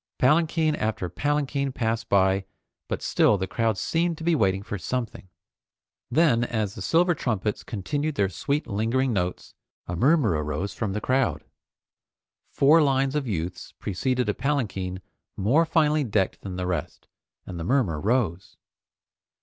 Palanquin after palanquin passed by, but still the crowd seemed to be waiting for something. Then, as the silver trumpets continued their sweet lingering notes, a murmur arose from the crowd. Four lines of youths preceded a palanquin more finely decked than the rest, and the murmur rose.